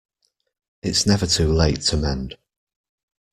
It's never too late to mend.